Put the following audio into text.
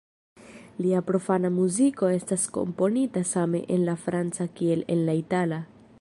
Lia profana muziko estas komponita same en la franca kiel en la itala.